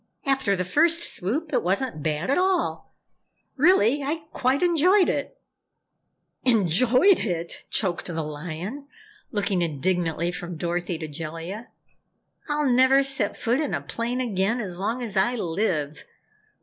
"After the first swoop, it wasn't bad at all. Really, I quite enjoyed it!" "Enjoyed it!" choked the Lion, looking indignantly from Dorothy to Jellia. "I'll never set foot in a plane again as long as I live.